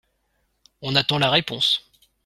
On attend la réponse